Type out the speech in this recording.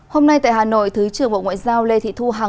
hôm nay tại hà nội thứ trưởng bộ ngoại giao lê thị thu hằng